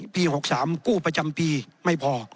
๖๓กู้ประจำปีไม่พอ